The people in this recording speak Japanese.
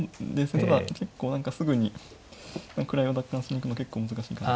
ただ結構何かすぐに位を奪還しに行くの結構難しいかなと。